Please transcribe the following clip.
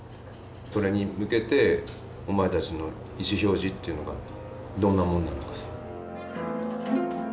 それに向けてお前たちの意思表示っていうのがどんなもんなのかさ。